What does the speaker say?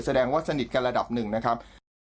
แสดงว่าสนิทกันระดับหนึ่งนะครับ